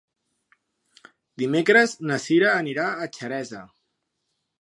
Dimecres na Sira anirà a Xeresa.